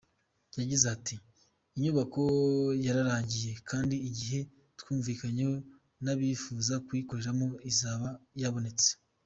Yagize ati”Inyubako yararangiye kandi igihe twumvikanyeho n’abifuza kuyikoreramo izaba yabonetse.